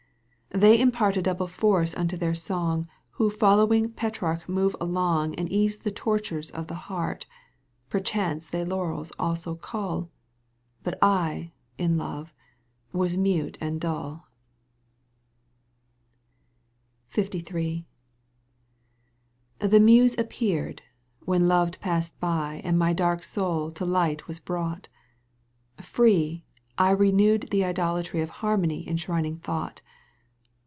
They impart A douMe force nnto their song Wbo following Petrarch move along And ease the tortures of the heart — Perchance they laureb also cull — But Ij in love, was mute and dulL LIII, The Muse appeared, when love passed by And my dark soul to light was brought ; Free, I renewed the idolatry Of harmony enshrining thought.